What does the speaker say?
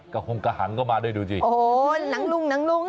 กะโฮงกะหังก็มาด้วยดูดิโอ้โหนังลุงนังลุง